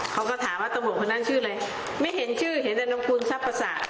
เขาก็ถามว่าตรงบนคนนั้นชื่ออะไรไม่เห็นชื่อเห็นแต่น้องกุลทรัพย์ภาษา